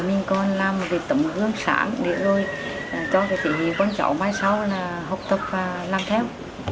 mình còn làm việc tổng hướng sản để cho tình hình con cháu mai sau học tập làm theo